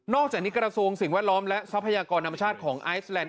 อกจากนี้กระทรวงสิ่งแวดล้อมและทรัพยากรธรรมชาติของไอซแลนด